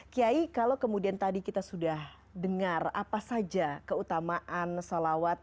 kiai kalau kemudian tadi kita sudah dengar apa saja keutamaan salawat